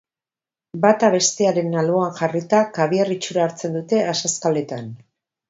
Bata bestearen alboan jarrita, kabiar itxura hartzen dute azazkaletan.